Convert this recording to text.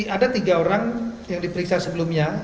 ada tiga orang yang diperiksa sebelumnya